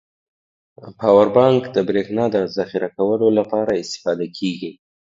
پاور بانک د بريښنا د زخيره کولو لپاره استفاده کیږی.